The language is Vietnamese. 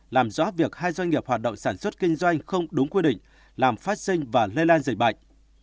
làm rõ việc hai doanh nghiệp hoạt động sản xuất kinh doanh không đúng quy định làm phát sinh và lây lan dịch bệnh